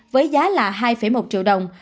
với giá là hai một triệu đồng